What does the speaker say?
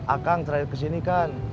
akang terakhir kesini kan